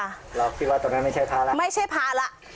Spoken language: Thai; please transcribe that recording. แล้วพี่ว่าตอนนั้นไม่ใช่พลาดล่ะไม่ใช่พลาดล่ะ